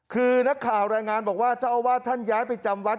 คือนักข่าวรายงานบอกว่าเจ้าอาวาสท่านย้ายไปจำวัด